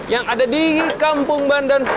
yang ada di kampung bandan